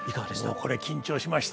もうこれ緊張しました。